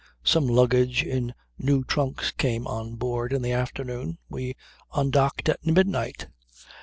Some luggage in new trunks came on board in the afternoon. We undocked at midnight.